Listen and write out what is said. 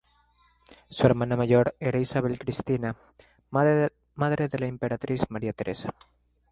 Su hermana mayor era Isabel Cristina, madre de la emperatriz María Teresa.